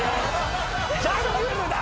ジャングルだ！